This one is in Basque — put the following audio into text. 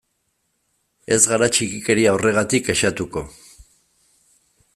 Ez gara txikikeria horregatik kexatuko.